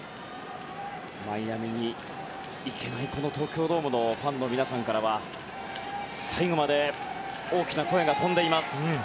マイアミに行けない東京ドームのファンの皆さんからは最後まで大きな声が飛んでいます。